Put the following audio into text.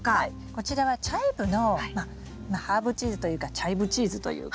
こちらはチャイブのハーブチーズというかチャイブチーズというか。